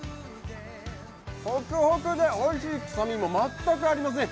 ホクホクでおいしい、臭みも全くありません。